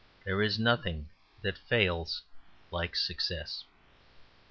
There is nothing that fails like success.